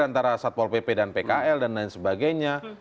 antara satpol pp dan pkl dan lain sebagainya